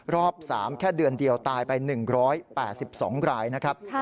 รอบ๓แค่เดือนเดียวตายไป๑๘๒รายนะครับ